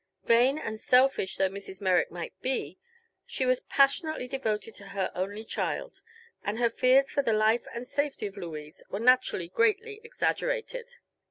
Vain and selfish though Mrs. Merrick might be, she was passionately devoted to her only child, and her fears for the life and safety of Louise were naturally greatly exaggerated.